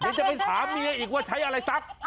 นะครับใช้